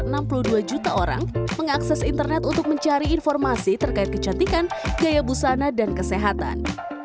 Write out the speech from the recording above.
sekitar enam puluh dua juta orang mengakses internet untuk mencari informasi terkait kecantikan gaya busana dan kesehatan